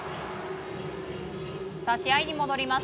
試合に戻ります。